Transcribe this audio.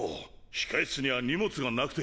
控え室には荷物がなくて。